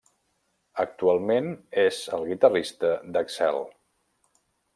Actualment és el guitarrista d'Excel.